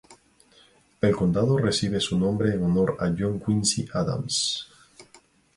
El condado recibe su nombre en honor a John Quincy Adams.